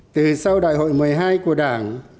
từ sau đại hội một mươi hai của đảng